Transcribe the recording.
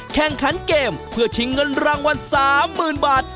แข่งขันเกมเพื่อชิงเงินรางวัล๓๐๐๐บาท